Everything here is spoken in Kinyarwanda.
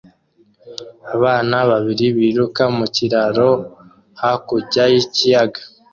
Abana babiri biruka mu kiraro hakurya y'ikiyaga